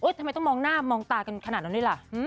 ทำไมต้องมองหน้ามองตากันขนาดนั้นด้วยล่ะ